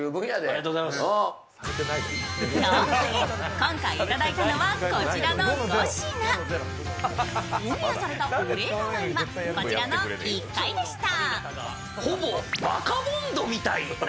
今回いただいたのはこちらの５品オンエアされたお礼の舞はこちらの１回でした。